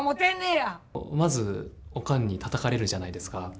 まずおかんにたたかれるじゃないですか。